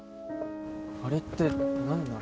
あれって何なの？